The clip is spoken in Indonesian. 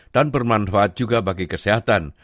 dan bermanfaat juga bagi kesehatan